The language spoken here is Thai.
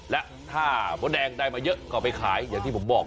และถ้ามดแดงได้มาเยอะก็ไปขายอย่างที่ผมบอก